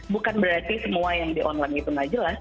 bukan berarti semua yang di online itu nggak jelas